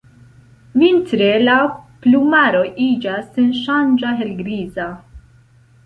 Vintre la plumaro iĝas senŝanĝa helgriza.